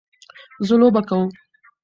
زه لوبه کوم.